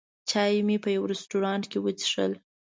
چای مې په یوه رستورانت کې وڅښل.